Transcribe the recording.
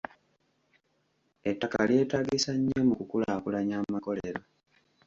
Ettaka lyetaagisa nnyo mu ku kulaakulanya amakolero.